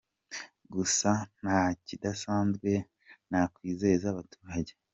gusa nta kidasanzwe nakwizeza abaturage.